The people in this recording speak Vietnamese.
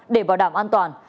để bảo đảm an toàn